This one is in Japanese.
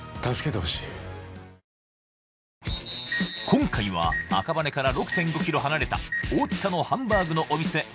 今回は赤羽から６．５ｋｍ離れた大塚のハンバーグのお店